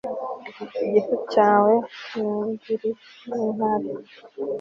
igifu cyawe ni indiri yintare